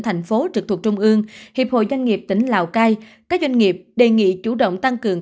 thành phố trực thuộc trung ương hiệp hội doanh nghiệp tỉnh lào cai các doanh nghiệp đề nghị chủ động tăng cường